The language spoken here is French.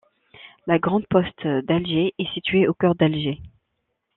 La Grande Poste d'Alger est située au cœur d'Alger.